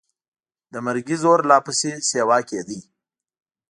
د مرګي زور لا پسې سیوا کېده.